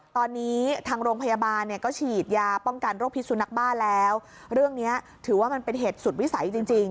ตอนนี้ทางโรงพยาบาลเนี่ยก็ฉีดยาป้องกันโรคพิษสุนักบ้าแล้วเรื่องเนี้ยถือว่ามันเป็นเหตุสุดวิสัยจริงจริง